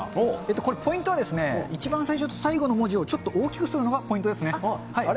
これ、ポイントは、一番最初と最後の文字をちょっと大きくするのがポイントですね。